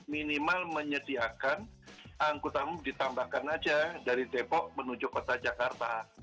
minimal menyediakan angkutan umum ditambahkan aja dari depok menuju kota jakarta